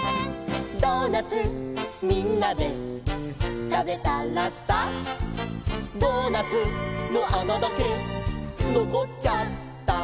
「ドーナツみんなで食べたらさ」「ドーナツの穴だけ残っちゃった」